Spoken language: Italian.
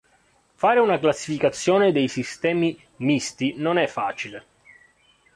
Fare una classificazione dei sistemi misti non è facile.